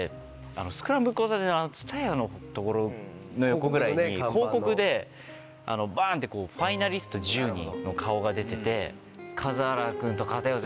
スクランブル交差点のＴＳＵＴＡＹＡの横ぐらいに広告でバンってファイナリスト１０人の顔が出てて。